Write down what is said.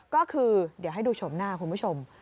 ก็คือเดี๋ยวให้ดูชมหน้าคุณผู้ชม